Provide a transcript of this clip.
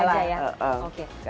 yang gampang aja ya